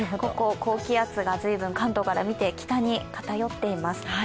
高気圧が随分関東から見て北に偏っています。